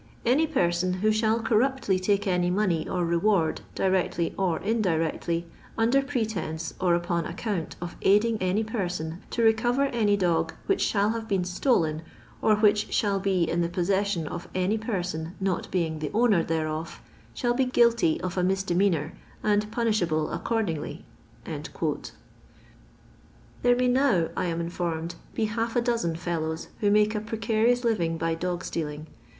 Any person who shall corruptly take any money or reward, directly or indirectly, under pretence or upon account of aiding any person to recover any dog which shall have been stolen, or which shall be in the possession of any person not being the owner thereof, shall be guilty of a misdemean our, and punishable accordingly." There may now, I am informed, be half a dozen fellows who make a precarious living by dog steal ing.